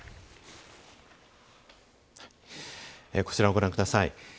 こちらをご覧ください。